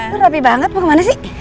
tuh rapi banget mau kemana sih